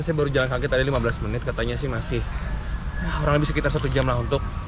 saya baru jalan kaki tadi lima belas menit katanya sih masih kurang lebih sekitar satu jam lah untuk